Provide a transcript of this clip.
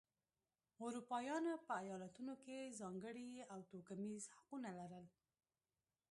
اروپایانو په ایالتونو کې ځانګړي او توکمیز حقونه لرل.